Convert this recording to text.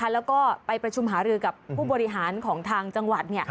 แล้วก็ไปประชุมหารือกับผู้บริหารของทางจังหวัด